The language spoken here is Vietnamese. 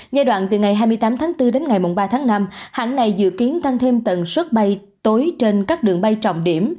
giai đoạn từ ngày hai mươi tám tháng bốn đến ngày ba tháng năm hãng này dự kiến tăng thêm tần suất bay tối trên các đường bay trọng điểm